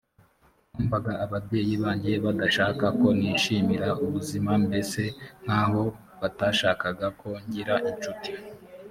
numvaga ababyeyi banjye badashaka ko nishimira ubuzima mbese nk aho batashakaga ko ngira incuti